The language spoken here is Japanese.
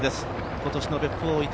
今年の別府大分